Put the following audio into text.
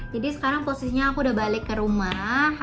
jadi sekarang posisinya aku udah balik ke rumah